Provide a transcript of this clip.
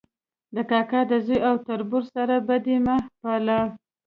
د کاکا د زوی او تربور سره بدي مه پاله